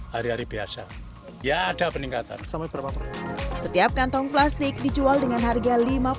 hari hari biasa ya ada peningkatan sampai berapa setiap kantong plastik dijual dengan harga